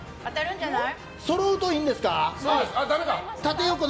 そろうといいんですか。